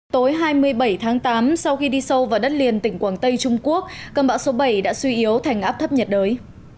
tối hai mươi bảy tháng tám sau khi đi sâu vào đất liền tỉnh quảng tây trung quốc cơn bão số bảy đã suy yếu thành áp thấp nhiệt đới